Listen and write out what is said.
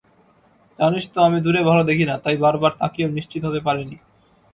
জানিস তো আমি দূরে ভালো দেখিনা, তাই বার বার তাকিয়েও নিশ্চিত হতে পারিনি।